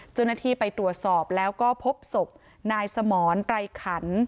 เจ้าหน้าที่ไปตรวจสอบแล้วก็พบศพนายสมรไรขัน